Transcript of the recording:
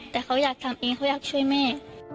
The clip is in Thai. แต่เขาอยากทำเองเขาอยากช่วยแม่